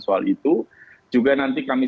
soal itu juga nanti kami